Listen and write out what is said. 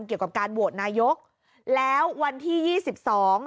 เกี่ยวกับการโหวตนายกแล้ววันที่ยี่สิบสอง